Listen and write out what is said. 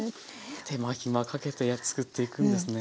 手間暇かけて作っていくんですね。